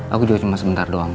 aku juga cuma sebentar doang